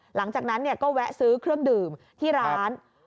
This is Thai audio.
หลังจากนั้นก็แวะซื้อเครื่องดื่มที่ร้าน